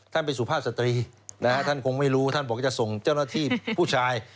ไปสุภาพสตรีนะฮะท่านคงไม่รู้ท่านบอกจะส่งเจ้าหน้าที่ผู้ชาย